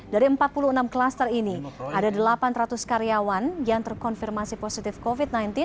dari empat puluh enam klaster ini ada delapan ratus karyawan yang terkonfirmasi positif covid sembilan belas